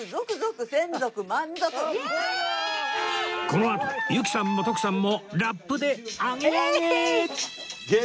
このあと由紀さんも徳さんもラップでアゲアゲ！